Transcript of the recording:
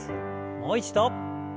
もう一度。